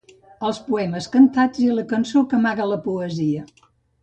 Els poemes cantats i la cançó que amaga la poesia.